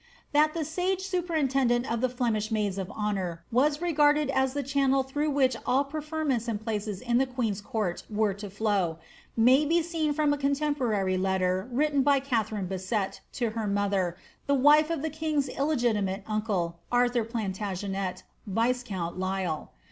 That the sage superintendant of the Flemish maids of honour was re garded as the channel through which all preferments and places in the new queen's court were to flow, may be seen from a contemporary letter written by Katharine Basset to her mother, the wife of the king's illegi timate uncle, Arthur Plantagenet, viscount Lisle.